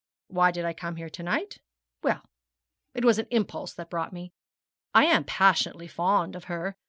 Why did I come here to night? Well, it was an impulse that brought me. I am passionately fond of her.